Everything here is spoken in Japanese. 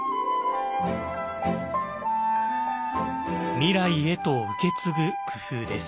未来へと受け継ぐ工夫です。